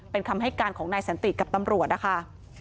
เป็นคำให้การของนายสันติกับตำรวจนะคะ